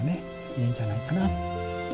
いいんじゃないかな。